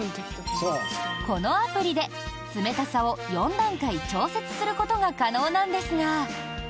このアプリで冷たさを４段階調節することが可能なんですが。